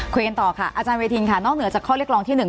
คุยกันต่อค่ะอาจารย์เวทินค่ะนอกเหนือจากข้อเรียกร้องที่๑